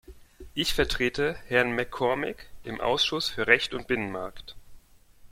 Ich vertrete Herrn MacCormick im Ausschuss für Recht und Binnenmarkt.